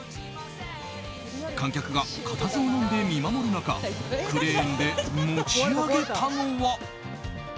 観客が固唾をのんで見守る中クレーンで持ち上げたのは。